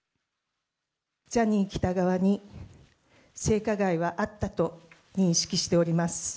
ジャニー喜多川に性加害はあったと認識しております。